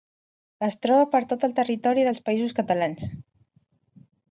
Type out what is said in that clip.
Es troba per tot el territori dels Països Catalans.